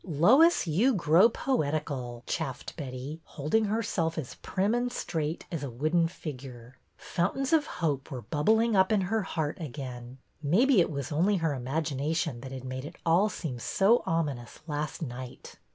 Lois, you grow poetical," chaffed Betty, hold ing herself as prim and straight as a wooden figure. Fountains of hope were bubbling up in her heart again. Maybe it was only her imag ination that had made it all seem so ominous last night.